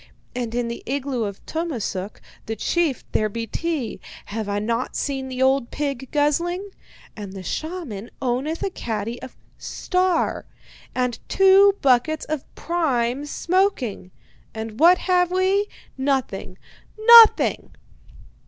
And in the igloo of Tummasook, the chief, there be tea have I not seen the old pig guzzling? And the shaman owneth a caddy of "Star" and two buckets of prime smoking. And what have we? Nothing! Nothing!'